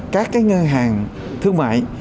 các ngân hàng thương mại